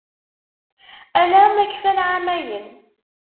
Ala ma kfan εamayen.